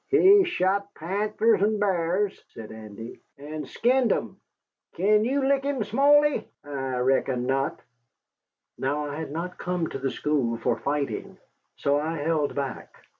"He's shot painters and b'ars," said Andy. "An' skinned 'em. Kin you lick him, Smally? I reckon not." Now I had not come to the school for fighting. So I held back.